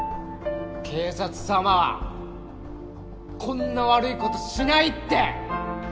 警察サマはこんな悪いことしないって！